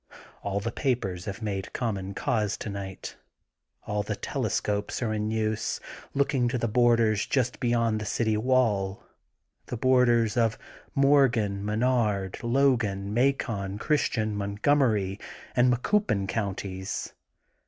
All the papers have made common cause to night. All the telescopes are in use, looking to the borders just beyond the City WaU, the borders of Morgan, Menard, Logan, Macon, Christian, Montgomery and Macoupin Coun ties.